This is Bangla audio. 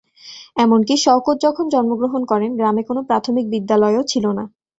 এমনকি শওকত যখন জন্মগ্রহণ করেন গ্রামে কোনো প্রাথমিক বিদ্যালয়ও ছিল না।